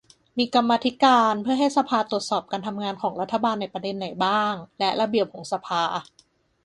มีกรรมธิการ เพื่อให้สภาตรวจสอบการทำงานของรัฐบาลในประเด็นไหนบ้าง และ ระเบียบของสภา